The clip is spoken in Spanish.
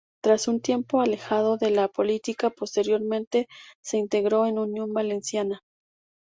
Tras un tiempo alejado de la política, posteriormente se integró en Unión Valenciana.